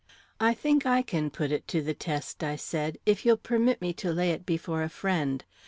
"I think I can put it to the test," I said, "if you'll permit me to lay it before a friend.